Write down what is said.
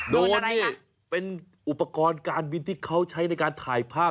โดนนี่เป็นอุปกรณ์การบินที่เขาใช้ในการถ่ายภาพ